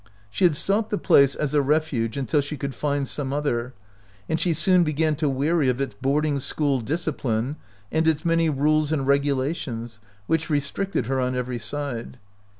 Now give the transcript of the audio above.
She had sought the place as a refuge until she could find some other, and she soon began to weary of its boarding school discipline and its many rules and regulations, which restricted her on every side.